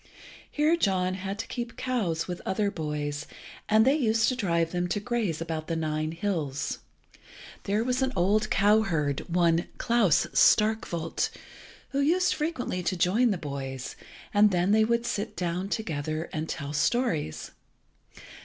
Here John had to keep cows with other boys, and they used to drive them to graze about the Nine hills. There was an old cowherd, one Klas Starkwolt who used frequently to join the boys, and then they would sit down together and tell stories.